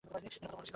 ওটা কত বড় ছিল?